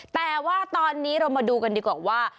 แต่ว่าตอนนี้เรามาดูกันดีกว่าว่า